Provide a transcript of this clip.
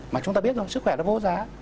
mà chúng ta biết rồi sức khỏe là vô giá